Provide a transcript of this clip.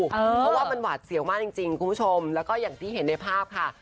เพราะว่ามันหวาดเสียวมากจริงคุณผู้ชมแล้วก็อย่างที่เห็นในภาพค่ะ